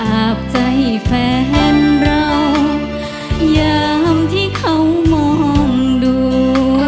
อาบใจแฟนเรายามที่เขามองดู